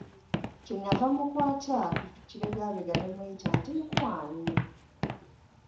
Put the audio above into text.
Kye nava mmukwata ku kibegabega ne mmuyita nti, "mukwano?"